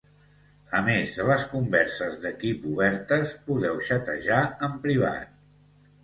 A més de les converses d'equip obertes, podeu xatejar en privat